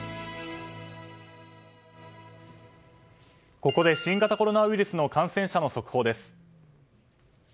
ここで新型コロナウイルスの感染者の速報です。